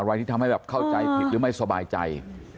ที่ทำให้แบบเข้าใจผิดหรือไม่สบายใจ